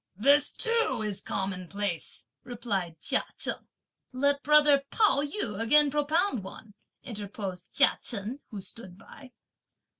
"This too is commonplace!" replied Chia Cheng. "Let brother Pao yü again propound one!" interposed Chia Chen, who stood by.